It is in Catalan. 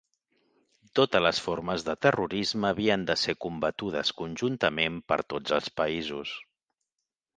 Totes les formes de terrorisme havien de ser combatudes conjuntament per tots els països.